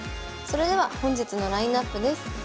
それでは本日のラインナップです。